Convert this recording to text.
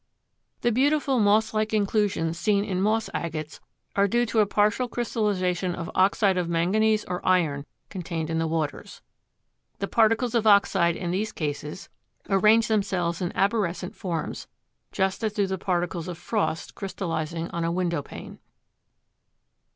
The beautiful moss like inclusions seen in the moss agates are due to a partial crystallization of oxide of manganese or iron contained in the waters. The particles of oxide in these cases arrange themselves in arborescent forms, just as do the particles of frost crystallizing on a window pane.